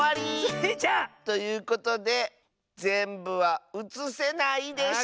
スイちゃん！ということでぜんぶはうつせないでした！